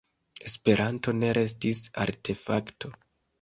Esperanto ne restis artefakto.